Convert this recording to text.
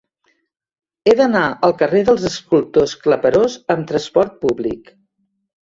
He d'anar al carrer dels Escultors Claperós amb trasport públic.